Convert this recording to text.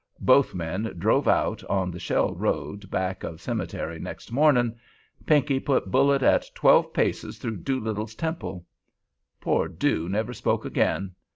Both men drove out on the Shell Road back of cemetery next morning. Pinkey put bullet at twelve paces through Doolittle's temple. Poor Doo never spoke again.